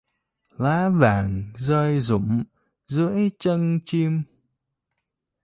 Lá vàng rơi rụng dưới chân chim